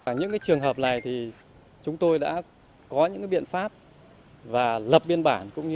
những trường hợp này chúng tôi đã có những biện pháp và lập biên bản